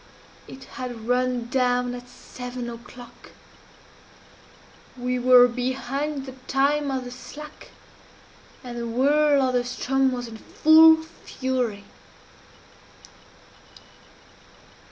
_It had run down at seven o'clock! We were behind the time of the slack, and the whirl of the Ström was in full fury!